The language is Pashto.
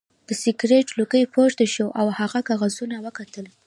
د سګرټ لوګی پورته شو او هغه کاغذونه وکتل